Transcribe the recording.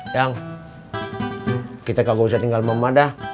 yang kita gak usah tinggal sama sama dah